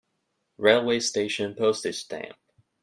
Railway station Postage stamp.